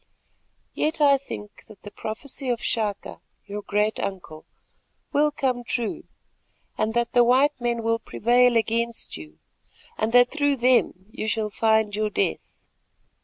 Yet I think that the prophecy of Chaka, your great uncle, will come true, and that the white men will prevail against you and that through them you shall find your death.